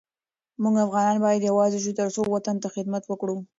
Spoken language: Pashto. مونږ افغانان باید یوزاي شو ترڅو وطن ته خدمت وکړو